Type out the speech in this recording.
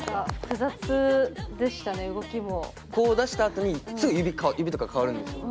こう出したあとにすぐ指指とか変わるんですよ。